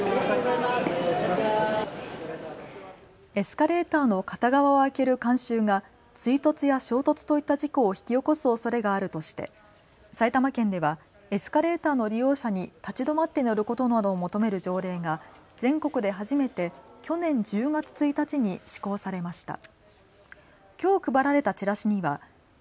エスカレーターの片側をあける慣習が追突や衝突といった事故を引き起こすおそれがあるとして埼玉県ではエスカレーターの利用者に立ち止まって乗ることなどを求める条例が全国で初めて去年１０月１日に施行されました。